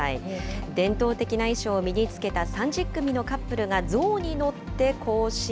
伝統的な衣装を身につけた３０組のカップルがゾウに乗って行進。